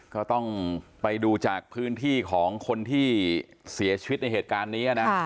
ก็ต้องไปดูจากพื้นที่ของคนที่เสียชีวิตในเหตุการณ์นี้นะ